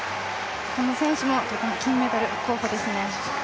この選手も金メダル候補ですね。